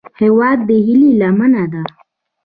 هیواد د هیلې لمنه ده